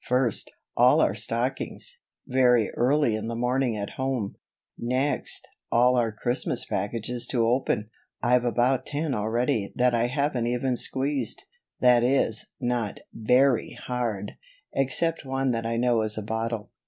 First, all our stockings; very early in the morning at home. Next, all our Christmas packages to open I've about ten already that I haven't even squeezed that is, not very hard, except one that I know is a bottle.